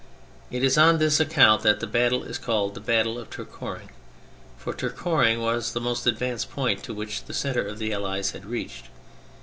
It is on this account that the battle is called the Battle of Tourcoing, for Tourcoing was the most advanced point to which the centre of the Allies had reached.